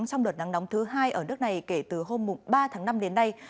trong đợt nắng nóng thứ hai ở nước này kể từ hôm ba tháng năm đến nay